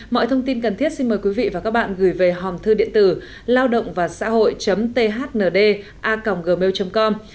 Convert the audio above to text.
mọi thông tin cần thiết xin mời quý vị và các bạn gửi về hòm thư điện tử laodongvasahoi thnda gmail com